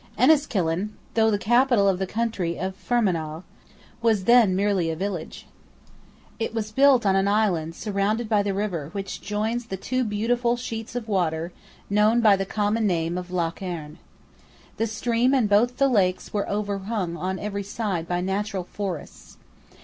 Enniskillen, though the capital of the county of Fermanagh, was then merely a village. It was built on an island surrounded by the river which joins the two beautiful sheets of water known by the common name of Lough Erne. The stream and both the lakes were overhung on every side by natural forests.